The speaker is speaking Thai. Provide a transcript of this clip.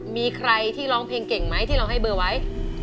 มีใครที่ร้องเพลงเก่งไหมที่เราให้เบอร์ไว้